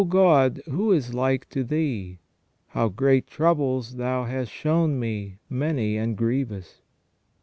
God, who is like to Thee ? How great troubles Thou hast shown me, many and grievous."